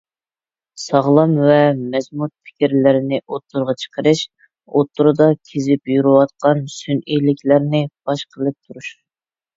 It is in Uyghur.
ساغلام ۋە مەزمۇت پىكىرلەرنى ئوتتۇرىغا چىقىرىش، ئوتتۇرىدا كېزىپ يۈرىۋاتقان سۈنئىيلىكلەرنى پاش قىلىپ تۇرۇش.